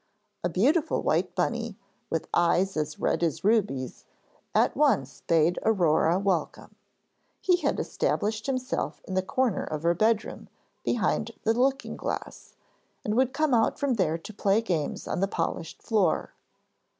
A beautiful white bunny, with eyes as red as rubies, at once bade Aurore welcome. He had established himself in the corner of her bedroom behind the looking glass, and would come out from there to play games on the polished floor.